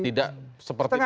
tidak seperti terbosan